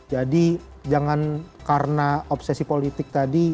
jadi jangan karena obsesi politik tadi